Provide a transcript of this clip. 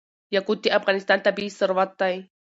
یاقوت د افغانستان طبعي ثروت دی.